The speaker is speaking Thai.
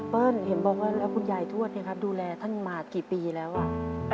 เปิ้ลเห็นบอกว่าแล้วคุณใหญ่ทวดเนี่ยครับดูแลทั้งมากี่ปีแล้วอะ